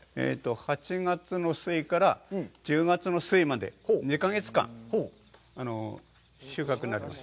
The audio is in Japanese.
８月の末から１０月の末まで、２か月間、収穫になります。